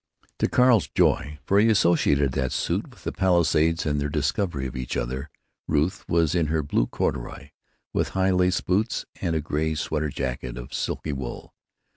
To Carl's joy (for he associated that suit with the Palisades and their discovery of each other), Ruth was in her blue corduroy, with high lace boots and a gray sweater jacket of silky wool.